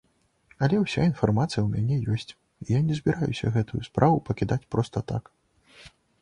Але ўся інфармацыя ў мяне ёсць, я не збіраюся гэтую справу пакідаць проста так.